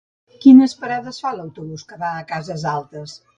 Quines parades fa l'autobús que va a Cases Altes?